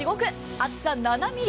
厚さ７ｍｍ。